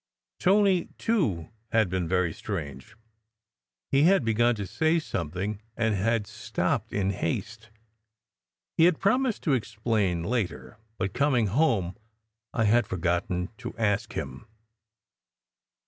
Tony, too, had been very strange. He had begun to say something and had stopped in haste. He had promised to explain later, but coming home I had forgotten to ask him.